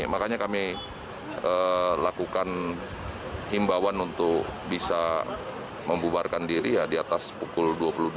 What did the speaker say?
makanya kami lakukan himbawan untuk bisa membubarkan diri ya di atas pukul dua puluh dua